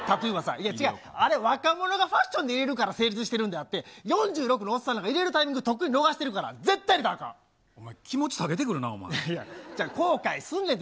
いやー、あれ、若者がファッションで入れるから成立してるんであって、４６のおっさんなんか入れるタイミング、とっくに逃してるお前、気持ち下げてくるな、いや、後悔すんねんて。